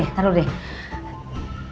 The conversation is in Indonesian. eh bentar bentar bentar